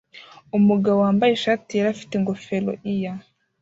Umugabo wambaye ishati yera afite ingofero year